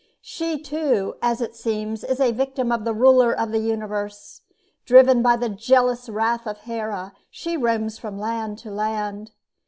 She too, as it seems, is a victim of the Ruler of the Universe; driven by the jealous wrath of Hera, she roams from land to land.